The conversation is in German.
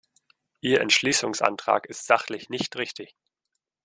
Ihr Entschließungsantrag ist sachlich nicht richtig.